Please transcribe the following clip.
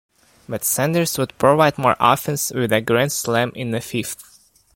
But Sanders would provide more offense with a grand slam in the fifth.